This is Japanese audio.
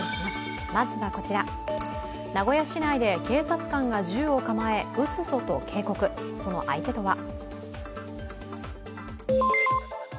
名古屋市内で警察官が銃を構え撃つぞと警告、その相手とは。